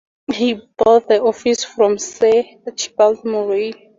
He bought the office from Sir Archibald Murray.